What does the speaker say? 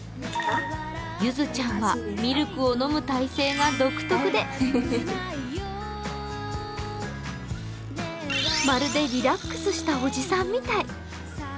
ゆずちゃんはミルクを飲む体勢が独特でまるでリラックスしたおじさんみたい。